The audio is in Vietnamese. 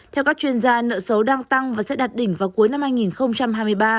theo các chuyên gia nợ xấu đang tăng và sẽ đạt đỉnh vào cuối năm hai nghìn hai mươi ba